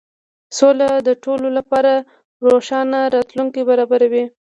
سوله د ټولو لپاره روښانه راتلونکی برابروي.